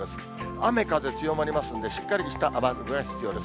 雨風強まりますんで、しっかりした雨具が必要です。